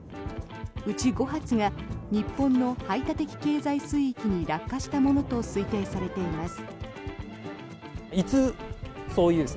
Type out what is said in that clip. うち５発が日本の排他的経済水域に落下したものと推定されています。